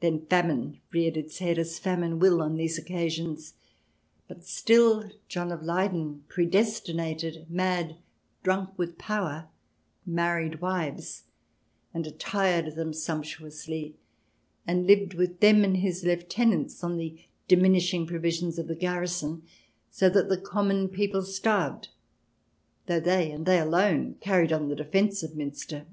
Then famine reared its head, as famine will on these occasions. But still John of Leyden, pre destinated, mad, drunk with power, married wives and attired them sumptuously, and lived with them and his lieutenants on the diminishing provisions of the garrison, so that the common people starved, though they, and they alone, carried on the defence of Munster.